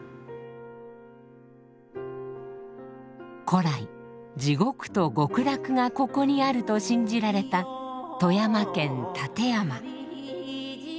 古来「地獄と極楽がここにある」と信じられた富山県立山。